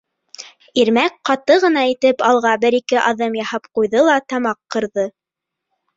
Ирмәк ҡаты ғына итеп алға бер-ике аҙым яһап ҡуйҙы ла тамаҡ ҡырҙы.